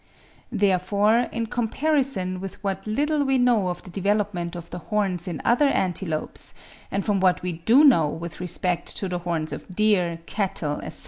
Therefore in comparison with what little we know of the development of the horns in other antelopes, and from what we do know with respect to the horns of deer, cattle, etc.